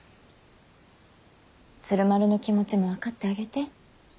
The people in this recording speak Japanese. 鶴丸の気持ちも分かってあげて。